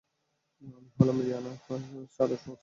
আমি হলাম Riyana Sarai Fox traveller থেকে!